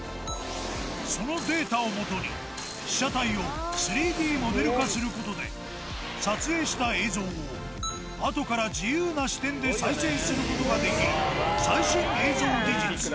そのデータを基に、被写体を３Ｄモデル化することで、撮影した映像を、あとから自由な視点で再生することができる、最新映像技術。